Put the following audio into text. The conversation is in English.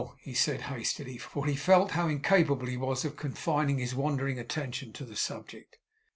he said, hastily, for he felt how incapable he was of confining his wandering attention to the subject.